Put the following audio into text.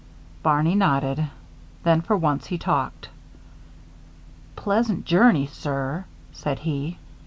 Barney nodded. Then, for once, he talked. "Pleasant journey, sir," said he.